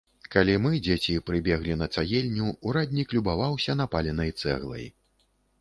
Калі мы, дзеці, прыбеглі на цагельню, ураднік любаваўся напаленай цэглай.